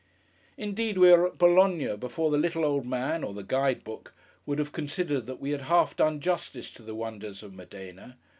Indeed, we were at Bologna, before the little old man (or the Guide Book) would have considered that we had half done justice to the wonders of Modena.